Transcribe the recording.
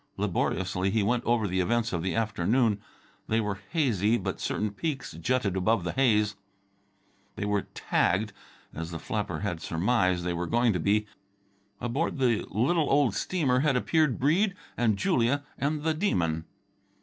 Laboriously, he went over the events of the afternoon. They were hazy, but certain peaks jutted above the haze. They were "tagged," as the flapper had surmised they were going to be. Aboard the little old steamer had appeared Breede and Julia and the Demon.